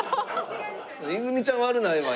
泉ちゃん悪ないわ。